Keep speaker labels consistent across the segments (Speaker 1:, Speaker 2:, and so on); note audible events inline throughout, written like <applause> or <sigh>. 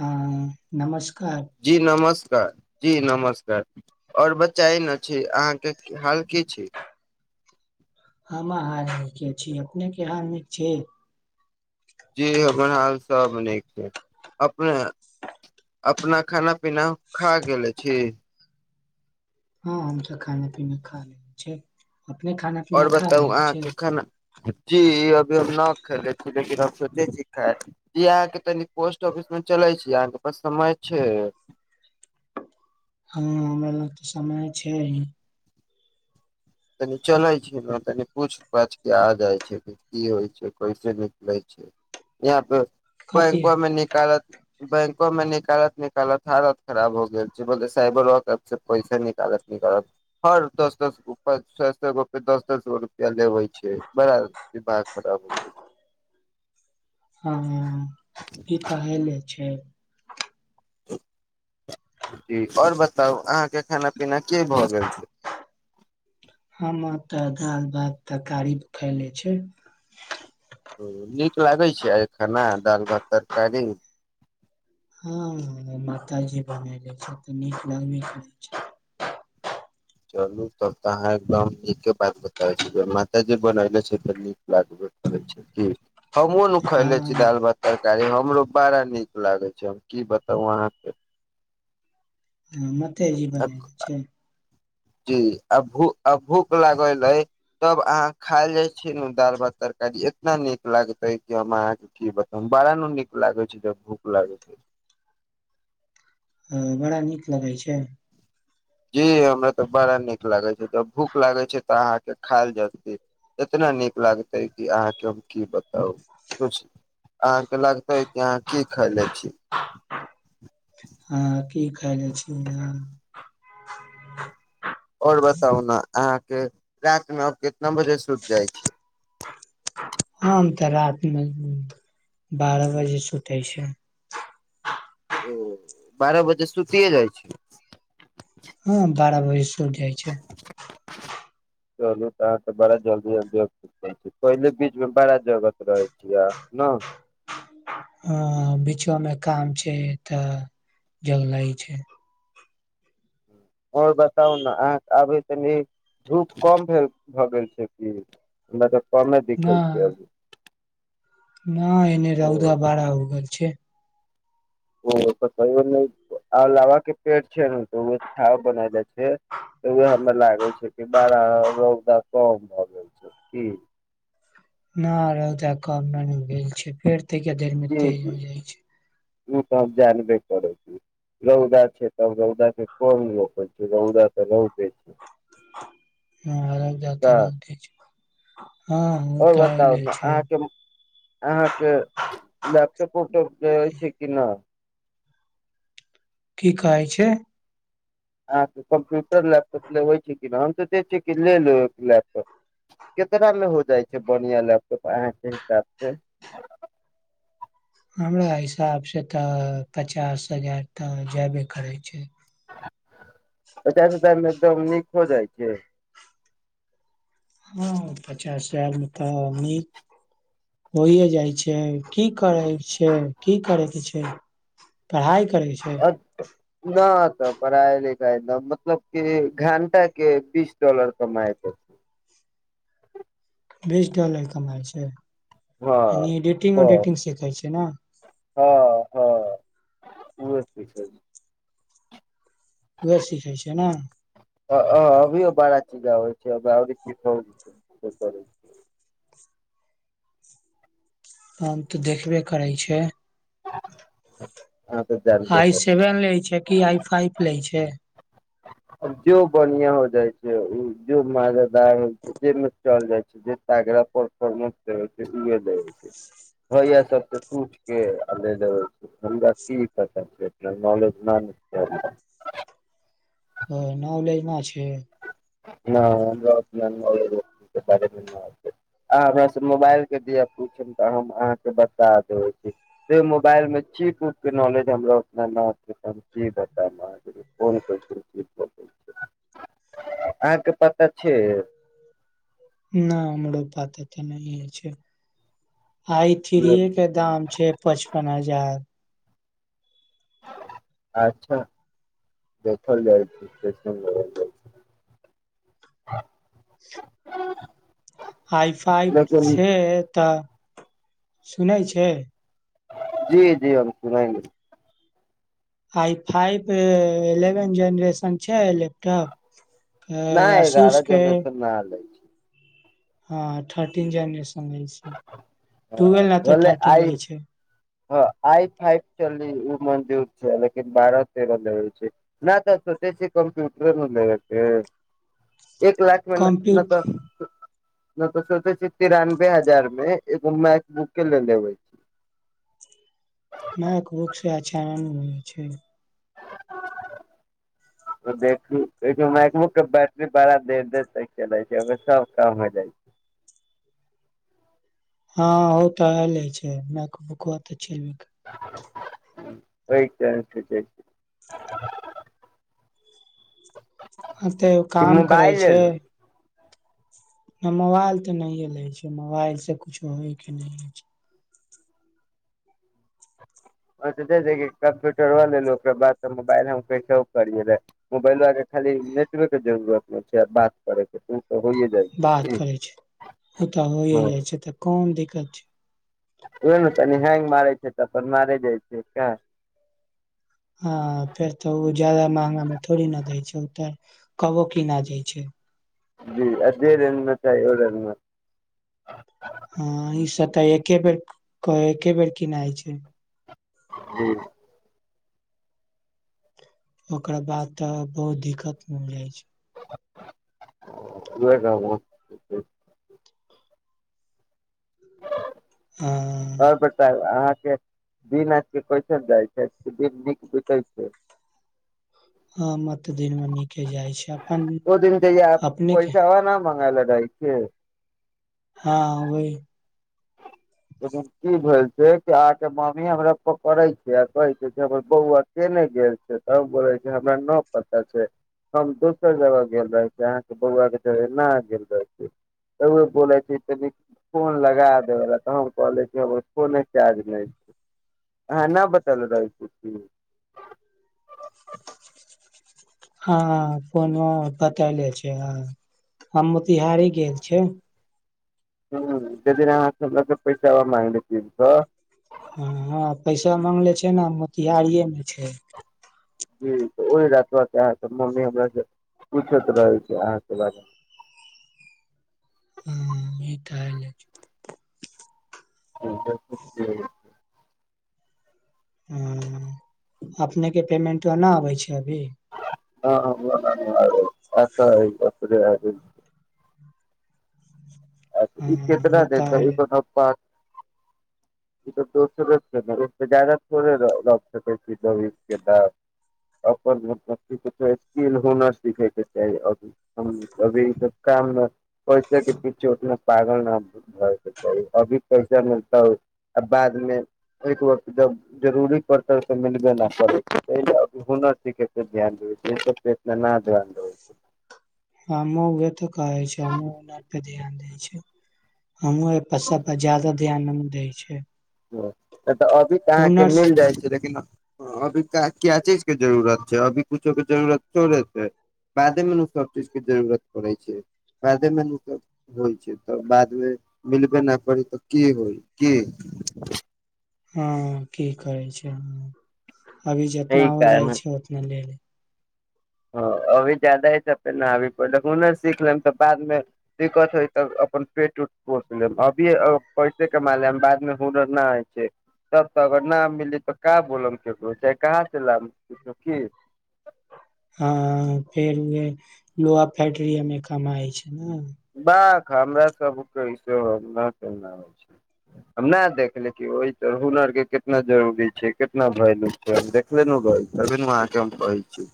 Speaker 1: हँ नमस्कार
Speaker 2: जी नमस्कार जी नमस्कार ओर बच्चाअइ ने ठीक अहाँके हाल की छै
Speaker 1: हम हाल निके छी अपने के हाल नीक छै
Speaker 2: जी हमर हाल सब नीक अइ अपने अपना खाना पीना खा गेले छी
Speaker 1: हँ हमसब खाना पीना खा लेल छै अपने खाना
Speaker 2: आओर
Speaker 1: पीना खा
Speaker 2: बताउ
Speaker 1: लेल छै
Speaker 2: अहाँके खाना जी अभी हम न खेले छी लेकिन हम सोचे छी खाय जी अहाँके तनि पोस्ट ऑफिस में चलै छी अहाँके पास समय छै
Speaker 1: हँ हमरा ल तऽ समय छै इ
Speaker 2: तनी चलै छी ने तनि पूछ पाछ के आ जाइ छै की होइ छै कैसे निकलै छै यहाँ पे
Speaker 1: कथी
Speaker 2: बैंको आओर मे निकालत बैंको मे निकालत निकालत हालत खराब हो गेल छै बोले साइबरो कैफ से पैसे निकालत निकालत हर दस दस बु सौ सौ गो पे दस दस गो रुपआ लेवे छै बड़ा दिमाग खराब हो छै <inaudible>
Speaker 1: हँ ई तऽ लेने छै
Speaker 2: जी आओर बताउ अहाँ के खाना पीना के भए गेल छै
Speaker 1: खाना तऽ दाल भात तरकारी खैले छै
Speaker 2: ह नीक लागै छै आइ खाना दालि भात तरकारी
Speaker 1: हँ मातााजी बनबै छथिन तऽ नीक लगैत रहय छै
Speaker 2: चलू तब तऽ अहाँ एकदम नीके बात बताबे छी ज माता जी बनले छै त नीक लागबे करे छै जी हमहुँ न खइले छी
Speaker 1: हँ
Speaker 2: दाल भात तरकारी हमरो बड़ा नीक लागे छै हम की बताउ अहाँके
Speaker 1: ह मतेजी बनेने छै
Speaker 2: जी आब भू अ भूख लागल ए तब अहाँ खाय लय छीनु दालि भात तरकारी इतना नीक लागतै कि हम अहाँके कि बताउ बारा नु नीक लागे छै त भूख लागे छै
Speaker 1: हुँ बड़ा नीक लगै छै
Speaker 2: जी हमरा तऽ बड़ा नीक लागे छै जब भूख लागे छै तऽ अहाँके खायल जकती इतना नीक लागतै कि अहाँके हम की बताउ पूछ अहाँके लगते कि अहाँ की खायले छी
Speaker 1: हँ की खाइने छी न
Speaker 2: आओर बताउ ने अहाँ के राति मे आब कितना बजे सुति जाइ छी
Speaker 1: आम तऽ राति मे बारह बजे सुतय छी
Speaker 2: ओ बारह बजे सुतिए जाइ छी
Speaker 1: हँ बारह बजे सुति जाइ छै
Speaker 2: चलू त आहाँ त बड़ा जल्दी जलद पहिले बीच मे बड़ा जगत रहै छियै आ न
Speaker 1: ह बीचो मे काम छै तऽ जल नय छै
Speaker 2: आओर बताउ न अहाॅंके आबय सॅं नीक धूप कम भेल भो गेल छैय की हमरा तऽ कम्मे
Speaker 1: न
Speaker 2: दिखै छैय अभी
Speaker 1: न एने
Speaker 2: ओ
Speaker 1: रौअदा बाड़ा उगल छै
Speaker 2: ओ लवा के पेड़ छै ने तऽ ओ छाव बनेले छै तऽ उएह हमे लागे छै कि बड़ा रौदा कम भो गेल छै की
Speaker 1: न रौदा कम नै भेल छै फेड़ तनिके देर में
Speaker 2: जी
Speaker 1: तेज
Speaker 2: जी
Speaker 1: होय जाय छै
Speaker 2: उ त हम जानबे करै छी रौदा छै तब रौदा के कोन रोकय छै रौदा तऽ रौदे छै
Speaker 1: <unintelligible> <unintelligible>
Speaker 2: त
Speaker 1: हँ हॅं उ
Speaker 2: और
Speaker 1: तऽ
Speaker 2: बताउ
Speaker 1: आले
Speaker 2: ने
Speaker 1: छैय
Speaker 2: अहाँके अहाँके लैपटॉपोटॉप अयछे की ना
Speaker 1: की कहै छियै
Speaker 2: अहाॅंके कम्प्यूटर लैपटॉप लेबे छय की ना हम सोचै छियै की ले लूं एक लैपटॉप केतना में हो जाइ छै बनिंया लैपटॉप अहाँके हिसाब से
Speaker 1: हम्मरा हिसाबसँ तऽ पचास हजार तऽ जायबे करैय छै
Speaker 2: पच्चास हजार मे एकदम नीक हो जाइ छैय
Speaker 1: हँ पच्चास हजार मे तऽ नीक होइए जाइ छै की करैय छैय की करैत छै पढ़ाइ करै छै
Speaker 2: <inaudible> न तऽ पढ़ाइ लिखाइ न मतलब कि घंटाके बीस डॉलर कमायबै
Speaker 1: बीस डॉलर कमाइ छै
Speaker 2: हँ
Speaker 1: यानि इडिटिंग
Speaker 2: बस
Speaker 1: उडिटिंग सिखैय छैय न
Speaker 2: हँ हँ उहो सिखै
Speaker 1: उएह सीखै छियै न
Speaker 2: अ हाॅं अभियो बड़ा चीज आबै छैय <unintelligible>
Speaker 1: हम तऽ देखबे करै छै
Speaker 2: अहाँ तऽ जानबे
Speaker 1: हाइ
Speaker 2: करू
Speaker 1: सेवेन लै छै की आइ फाइप लै छै
Speaker 2: जो बनिंया होय जाइ छै उ जो <unintelligible> होय जेमे चल जाइ छै जे तगरा परफोर्मेंस देबैकऽ <unintelligible>
Speaker 1: <inaudible>
Speaker 2: भैया सबके तुटके आ ले देबे छै हमरा की पता छै नॉलेज ना न छै
Speaker 1: त नाॅलेज न छै
Speaker 2: <unintelligible> आहाँ हमरा से मोबाइल के दिया पूछेम तऽ हम अहाँके बता देबै छी से मोबाइल मे चीप उप के नॉलेज हमरा उतना न छै तऽ हम की बताब आहाॅंके <unintelligible> अहाँके पता छैय
Speaker 1: न हमरो पता तऽ नहिये छैय आइ थीरीये के दाम छै पच्चपन हजार
Speaker 2: अच्छा देखल जाइ छी <unintelligible> <unintelligible>
Speaker 1: <inaudible>
Speaker 2: <unintelligible>
Speaker 1: आइ
Speaker 2: छै
Speaker 1: फाइफ
Speaker 2: लेकिन
Speaker 1: छे तऽ सुनै छै
Speaker 2: जी जी हम सुना <unintelligible>
Speaker 1: आइ फाइब इलेवन जेनरेशन छै लेपटॉप अय आसूसके
Speaker 2: ना लैब
Speaker 1: हँ थर्टीन जेनरेशन लै छै
Speaker 2: ह
Speaker 1: टुवेल्व नहि तऽ
Speaker 2: बोले
Speaker 1: थर्टीन
Speaker 2: आइ
Speaker 1: लै छै
Speaker 2: हँ आइ फाइव चलि ओ मंजूर छै लेकिन बारह तेरह लेबे छै न तऽ सोचै छै कम्प्यूटरे न लेबे के एक लाख नहि
Speaker 1: कम्प्यूट
Speaker 2: तऽ <unintelligible> नहि तऽ सोचे छै तिरानबे हजार मै एगो मैक बुके लेबई
Speaker 1: नक भुक से अचान होइ छै <unintelligible>
Speaker 2: देख देखियौ मैकबो के बैटरी बड़ा देर देर तक चले छै ओ सब काम हो जाइ छै
Speaker 1: हँ ओ तऽ हले छैे <unintelligible>
Speaker 2: ओहि क छै <unintelligible> <inaudible>
Speaker 1: ह ते काम करै छै
Speaker 2: लेलू
Speaker 1: मोबाइल ते नै ले छै मोबाइल से कुछो होय के नैहे छै
Speaker 2: ओ कम्प्यूटरो लेल ओकरा बाद त मोबाइल कैस करिये <unintelligible> मोबाइलबा के खाली नेटवे के जरुरत नै छै बात करैके त ओ होइए जाएत
Speaker 1: बात करै छै ओ तऽ होइए
Speaker 2: हँ
Speaker 1: जाइ छै तऽ कौन दिक्कत छै
Speaker 2: ओ ने तनि हेंग मारै छै तऽ अपन मारे जाइ छै सह
Speaker 1: हँ फेर तऽ ओ जदा महंगा मे थोड़ी न दै छै तऽ कबो कीना जाय छै
Speaker 2: जी अएच बी आई बैंक <unintelligible>
Speaker 1: हँ ई सब तऽ एके बेर एके क एके बेर किनाइ छै
Speaker 2: जी
Speaker 1: ओकरा बाद तऽ बहुत दिक्कत मिल जाय छै
Speaker 2: नहि कहब <unintelligible>
Speaker 1: ह
Speaker 2: आओर बता अहाँके दिन आज के कैसल जाइ छै दिन नीक बितै छै
Speaker 1: हँ मतदिन मे नीके जाइ छै अपन
Speaker 2: ओ दिन पैसा
Speaker 1: अपने के
Speaker 2: ह न मंगायला दइ <unintelligible> के
Speaker 1: हँ वहि
Speaker 2: लेकिन की भेल छै कि अहाँके ममी हमरा पकड़ै छै आ कहै छै हमर बौआ के नै गेल छै तब गोरे के हमरा न पता छै हम दोसर जगह गेल रहै छीयै अहाँके बौआ के ना गेल रह छीय एक बेर बोलाय छी तऽ नीक फोन लगा देैबैला त कहले ओो नहि चारज नहि छै अहाँ नहि बतल रहल छी <unintelligible>
Speaker 1: हँ कोनो पतैले छै ह हम मोतिहारी गेल छिय
Speaker 2: हू जेदिना अहाँ सब पैसा <unintelligible>
Speaker 1: हँ हँ पैसा माँगले छै न मोतिहारिए मे छै
Speaker 2: हू त ओहि रति तुरते अहाँ के मम्मी हमर से पूछैत रहै छै अहाँ के बारे मे
Speaker 1: हू ई टाईल अछि
Speaker 2: ह ज <unintelligible>
Speaker 1: हू अपनेके पेमेंटबा न अबै छै अभी
Speaker 2: हँ ब आछ ह कथ <unintelligible> ई
Speaker 1: हँ
Speaker 2: केतना
Speaker 1: ओ तऽ एले
Speaker 2: <unintelligible> ई त तस छै ने जदााो रक्ता पके <unintelligible> अपन मतलब कछो स्किल हुनर सीखे के चाही अभी <unintelligible> अभी सब काम पैसे <unintelligible> <unintelligible> अभी पैसा मिलता आ बादमे ऐक वक्त जब जरूरी पड़तल त मिलबे न करैत छै हुनर सीखे के ध्यान देबै ना ध्यान देबै
Speaker 1: हमहूँ उहे तऽ कहै छै हमहुँ ओहे <unintelligible> पे ध्यान दै छै। हमहूँ अइ सब पर ज्यादा ध्यान न न दै छियै।
Speaker 2: तऽ अभी तऽ अहाँके मिल जाइ छै लेकिन हँ अभी क्या क्या चीज के जरूरत छै अभी कुछो के जरूरत थोड़े छै। बादे मे नू सब चीज के जरूरत पड़ै छै बादे मे नै तऽ होइ छै तऽ बाद मे मिलबे ना करी तऽ की होइ की।
Speaker 1: हँ की करै छै हँ अभी
Speaker 2: एहि
Speaker 1: जितना हो
Speaker 2: कारण
Speaker 1: जाइ छै उतना ले लेब
Speaker 2: हँ अभी ज्यादा हय तब तऽ ना अभी पहिले हुनर सीख लेम तऽ बाद मे दिक्कत हइ तऽ अपन पेट उट पोस लेब अभीए पैसे कमा लेम बाद मे हुनर न होइ छै तब तऽ अगर ना मिली तऽ का बोलम ककरो से कहाँ से लाम कुछो की
Speaker 1: हँ फेर उहे लोहा फैक्ट्रीये मे कमाइ छै न
Speaker 2: बाख हमरा सब के ई सब न <unintelligible> होइ छै हम ना देखले छी ओहि तऽ हुनर के कितना जरूरी छै कितना वैल्यू छै हम देख उहे नु भइ तबे नु अहाँके हम कहै छी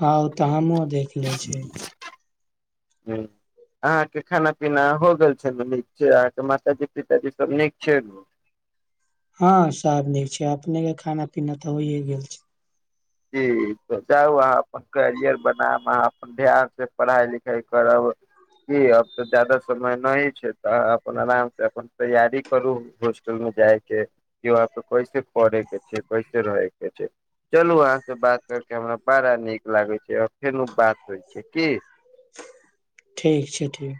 Speaker 1: हँ ओ तऽ हमहुँ देखले छी।
Speaker 2: हूंम्म अहाँके खाना पीना हो गेल छै नु नीक से अहाँके माताजी पिताजी सब नीक छै नु
Speaker 1: हँ सब नीक छै अपने के खाना पीना तऽ होइए गेल छै।
Speaker 2: जी तऽ जाउ अहाँ अपन करियर बनाम अहाँ ध्यान से पढ़ाइ लिखाइ करब जी अब तऽ ज्यादा समय नहि छै तऽ आहाँ अपन आराम से अपन तैयारी करु होस् टल मे जाइ के की वहाँ पर कैसे पढ़ै के छै कैसे रहे के छै चलु अहाँ बात कर के हमरा बड़ा नीक लागै छै आओर फेनू बात होइ छै की
Speaker 1: ठीक छै ठीक